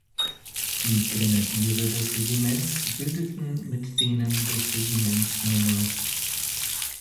Die Grenadiere des Regiments bildeten mit denen des Regiments Nr.